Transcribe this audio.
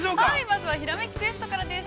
◆まずは「ひらめきクエスト」からです。